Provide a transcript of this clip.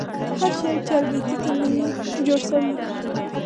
هر شاعر چاربیتې ته نه وي جوړسوی.